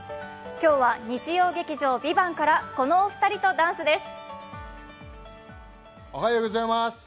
今日は日曜劇場「ＶＩＶＡＮＴ」からこの２人とダンスです。